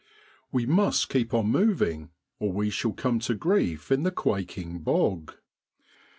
We must keep on moving or we shall come to grief in the quaking bog.